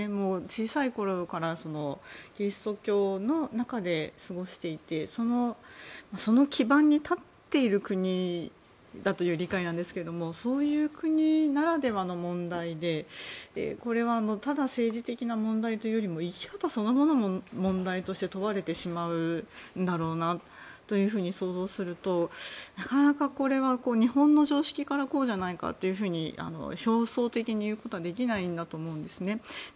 小さいころからキリスト教の中で過ごしていてその基盤に立っている国だという理解なんですけれどもそういう国ならではの問題でこれはただ政治的な問題というよりも生き方そのものの問題として問われてしまうんだろうなというふうに想像するとなかなか、これは日本の常識からこうじゃないかと表層的に言うことはできないと思いますね。